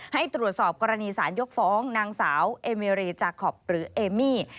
ให้ตรวจสอบกรณีสารยกฟ้องนางสาวเอเมรีจาคอปหรือเอมี่